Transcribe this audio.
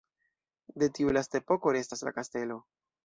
De tiu lasta epoko restas la kastelo.